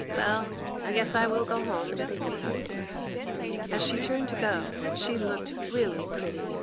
Well, I guess I will go home and think about it.' As she turned to go she looked really pretty.